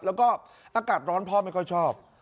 แล้วก็อากาศร้อนพ่อไม่ค่อยชอบ